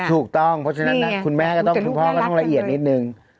ถูกต้องเพราะฉะนั้นคุณพ่อก็ต้องละเอียดนิดนึง